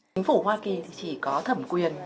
chính phủ hoa kỳ chỉ có thẩm quyền